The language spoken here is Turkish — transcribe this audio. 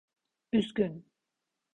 Üzgün…